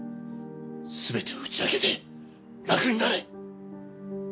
全てを打ち明けて楽になれ！